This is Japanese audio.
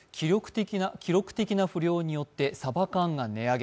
記録的な不漁によって、さば缶が値上げ。